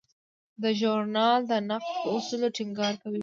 دا ژورنال د نقد په اصولو ټینګار کوي.